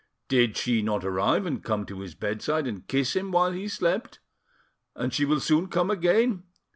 "Did she not arrive and come to his bedside and kiss him while he slept, and she will soon come again?"